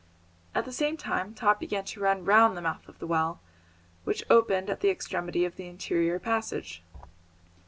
At the same time Top began to run round the mouth of the well, which opened at the extremity of the interior passage.